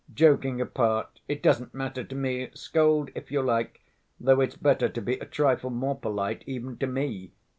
Joking apart, it doesn't matter to me, scold if you like, though it's better to be a trifle more polite even to me.